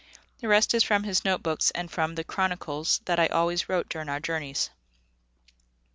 The rest is from his note books and from the 'Chronicles' that I always wrote during our journeys.